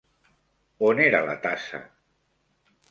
On era la tassa?